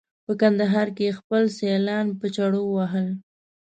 په کندهار کې یې خپل سیالان په چړو وهل.